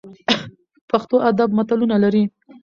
پښتو ادب متلونه لري